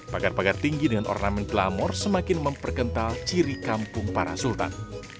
pagar pagar tinggi dengan ornamen glamor semakin memperkental ciri kampung para sultan